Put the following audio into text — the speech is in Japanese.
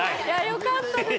よかったです。